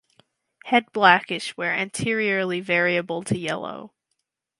Head blackish where anteriorly variable to yellow.